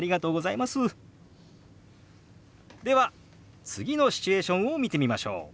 では次のシチュエーションを見てみましょう。